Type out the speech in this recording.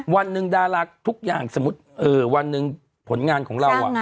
วันหนึ่งดาราทุกอย่างสมมุติวันหนึ่งผลงานของเรา